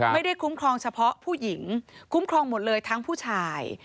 คุ้มครองเฉพาะผู้หญิงคุ้มครองหมดเลยทั้งผู้ชาย